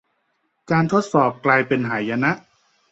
การทดสอบกลายเป็นหายนะ